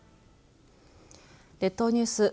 列島ニュース